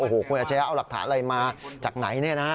โอ้โหคุณอาชญะเอาหลักฐานอะไรมาจากไหนเนี่ยนะ